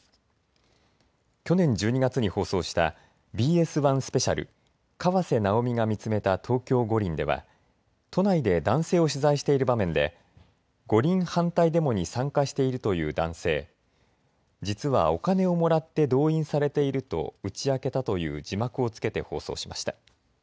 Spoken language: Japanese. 去年１２月に放送したＢＳ１スペシャル、河瀬直美が見つめた東京五輪では都内で男性を取材している場面で五輪反対デモに参加しているという男性、実はお金をもらって動員されていると打ち明けたという字幕を付けて放送しました。